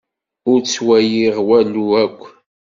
Ur ttwaliɣ walu akk.